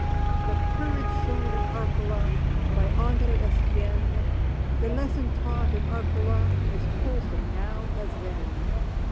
The courage shown at Areola By Andre Estienne — The lesson taught at Areola Is wholesome now as then.